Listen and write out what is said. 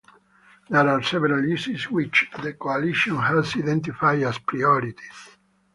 There are several issues which the Coalition has identified as priorities.